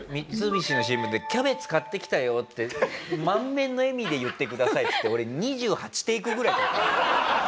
三菱のＣＭで「キャベツ買ってきたよ」って満面の笑みで言ってくださいっつって俺２８テイクぐらい撮ったの。